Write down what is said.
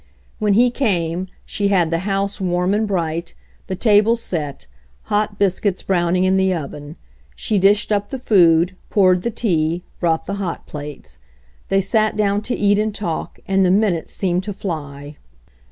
When he came, she had the house warm and bright, the table set, hot biscuits browning in the oven. She dished up the food, poured the tea, brought the hot plates. They sat down to eat and talk, and the minutes seemed to fly.